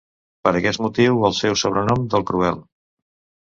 Per aquest motiu el seu sobrenom del Cruel.